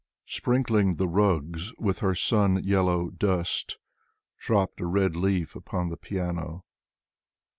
Sprinkling the rugs with her sun yellow dust. Dropped a red leaf upon the piano